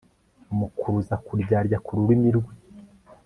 Amukuruza kuryarya kururimi rwe